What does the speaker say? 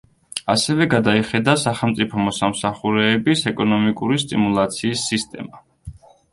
ასევე გადაიხედა სახელმწიფო მოსამსახურეების ეკონომიკური სტიმულაციის სისტემა.